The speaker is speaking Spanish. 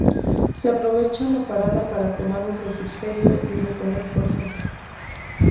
Se aprovecha la parada para tomar un refrigerio y reponer fuerzas.